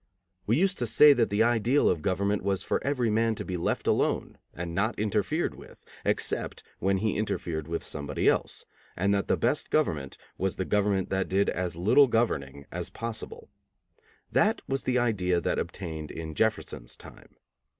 We used to say that the ideal of government was for every man to be left alone and not interfered with, except when he interfered with somebody else; and that the best government was the government that did as little governing as possible. That was the idea that obtained in Jefferson's time.